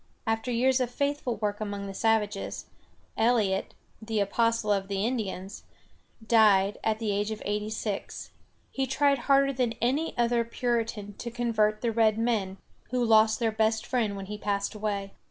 After years of faithful work among the savages, Eliot, the "Apostle of the Indians," died, at the age of eighty six. He tried harder than any other Puritan to convert the red men, who lost their best friend when he passed away.